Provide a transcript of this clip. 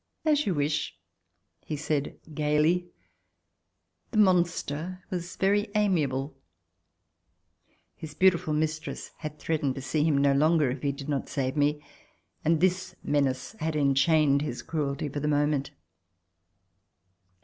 "As you wish," said he, gayly. The monster was very amiable. His beautiful mistress had threatened to see Ci68] DECISION TO LEAVE FRANCE him no longer ii he did not save me, and this menace had enchained his cruelty for the moment.